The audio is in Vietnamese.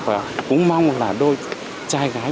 và cũng mong là đôi trai gái